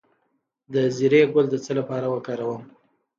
د زیرې ګل د څه لپاره وکاروم؟